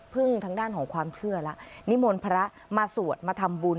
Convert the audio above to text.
ทางด้านของความเชื่อละนิมนต์พระมาสวดมาทำบุญ